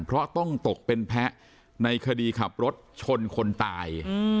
เพราะต้องตกเป็นแพ้ในคดีขับรถชนคนตาย